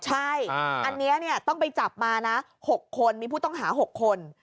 ใช่อันนี้ต้องไปจับมานะ๖คนมีผู้ต้องหา๖คน